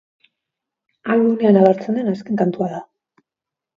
Albumean agertzen den azken kantua da.